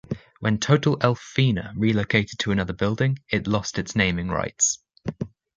When Total Elf Fina relocated to another building, it lost its naming rights.